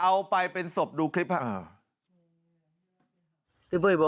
เอาไปเป็นศพดูคลิปครับ